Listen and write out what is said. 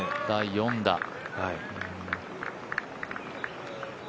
第４打。